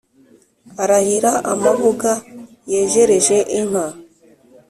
arahira amabuga yejereje inka